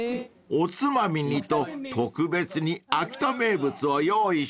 ［おつまみにと特別に秋田名物を用意してくれました］